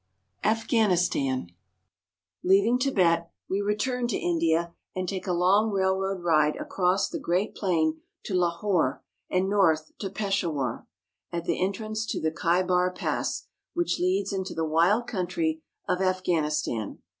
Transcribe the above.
AFGHANISTAN LEAVING Tibet, we return to India, and take a long railroad ride across the great plain to Lahore, and north to Peshawar (pe sha'war) at the entrance to the Khaibar Pass, which leads into the wild country of Afghanistan (af gan i stan').